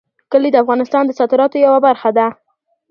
کلي د افغانستان د صادراتو یوه برخه ده.